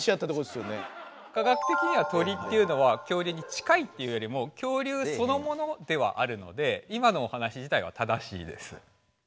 科学的には鳥というのは恐竜に近いっていうよりも恐竜そのものではあるので今のお話自体は正しいです。